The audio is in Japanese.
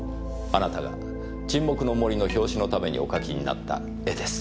あなたが『沈黙の森』の表紙のためにお描きになった絵です。